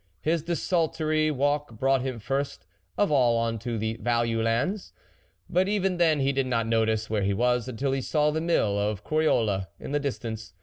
His desultory walking brought him first of all on to the Value lands ; but even then he did not notice where he was until he saw the mill of Croyolles in the distance.